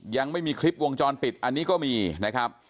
ยังไม่มีคลิปวงจรปิดอันนี้ก็มีนะครับ